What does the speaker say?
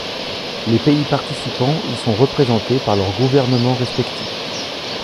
Les pays participants y sont représentés par leur gouvernement respectif.